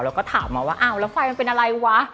แล้วก็ถามมาว่าอ้าวแล้วไฟมันเป็นอะไรวะ